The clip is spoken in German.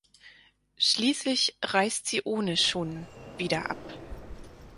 Schließlich reist sie ohne Shun wieder ab.